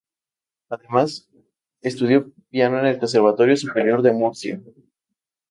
Además, estudió piano en el Conservatorio Superior de Murcia.